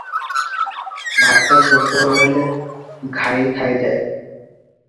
ଭାତ କୁକୁର ନୋହିଲେ ଘାଈ ଖାଇଯାଏ ।